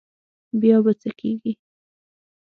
بیا به څه کېږي.